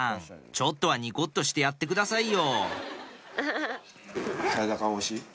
ちょっとはにこっとしてやってくださいよ